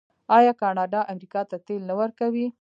آیا کاناډا امریکا ته تیل نه ورکوي؟